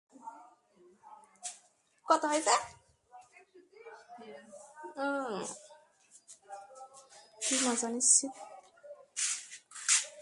তুই মজা নিচ্ছিস?